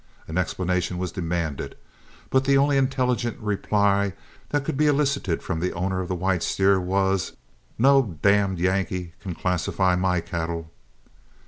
An explanation was demanded, but the only intelligent reply that could be elicited from the owner of the white steer was, "No G d Yankee can classify my cattle."